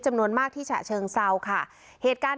จำนวนมากที่ฉะเชิงเซาค่ะเหตุการณ์